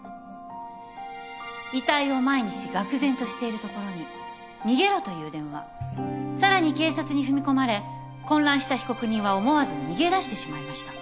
遺体を前にしがく然としているところに逃げろという電話さらに警察に踏み込まれ混乱した被告人は思わず逃げ出してしまいました。